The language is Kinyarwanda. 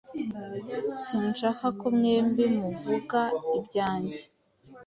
Sinshaka ko mwembi muvuga ibyanjye.